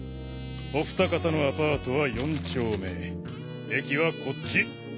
おふた方のアパートは４丁目駅はこっち。